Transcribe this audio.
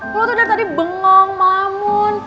kalau tuh dari tadi bengong mamun